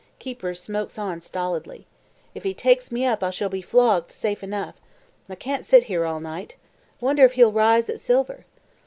Keeper smokes on stolidly. "If he takes me up, I shall be flogged safe enough. I can't sit here all night. Wonder if he'll rise at silver."